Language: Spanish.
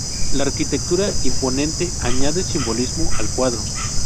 La arquitectura, imponente, añade simbolismo al cuadro.